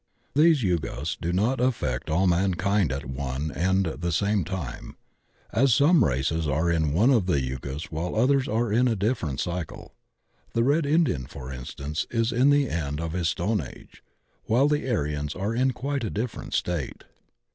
These Yugas do not affect all mankind at one and the same time, as some races are in one of the Yugas while others are in a different cycle. The Red Indian, for instance, is in the end of his stone age, while the Aryans are in quite a different state.